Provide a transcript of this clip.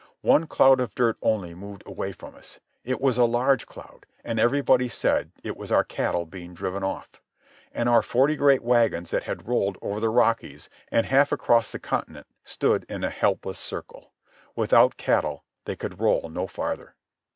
One cloud of dirt only moved away from us. It was a large cloud, and everybody said it was our cattle being driven off. And our forty great wagons that had rolled over the Rockies and half across the continent stood in a helpless circle. Without cattle they could roll no farther.